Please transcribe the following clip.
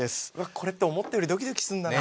これって思ったよりドキドキするんだね。